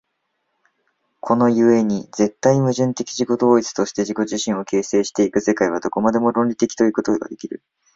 この故に絶対矛盾的自己同一として自己自身を形成し行く世界は、どこまでも論理的ということができる。